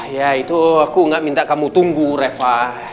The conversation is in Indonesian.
ya itu aku nggak minta kamu tunggu reva